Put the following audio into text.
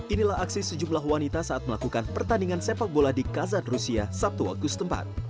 inilah aksi sejumlah wanita saat melakukan pertandingan sepak bola di kazan rusia sabtu agustus